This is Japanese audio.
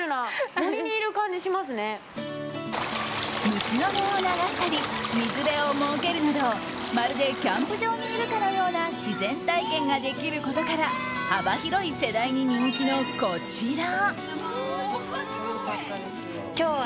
虫の音を流したり水辺を設けるなどまるでキャンプ場にいるかのような自然体験ができることから幅広い世代に人気の、こちら。